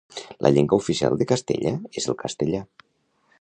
La llengua oficial de Castella és el castellà.